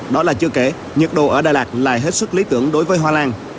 đó là chưa kể nhiệt độ ở đà lạt lại hết sức lý tưởng đối với hoa lan